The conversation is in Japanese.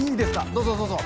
どうぞどうぞ。